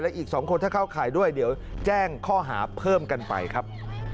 อีก๒คนถ้าเข้าข่ายด้วยเดี๋ยวแจ้งข้อหาเพิ่มกันไปครับ